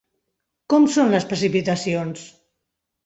Com són les precipitacions?